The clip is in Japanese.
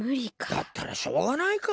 だったらしょうがないか。